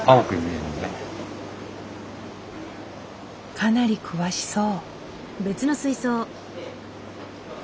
かなり詳しそう。